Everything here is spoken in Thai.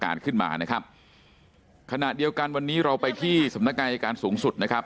เป็นกรรมการขึ้นมานะครับขณะเดียวกันวันนี้เราไปที่สำนักการยาการสูงสุดนะครับ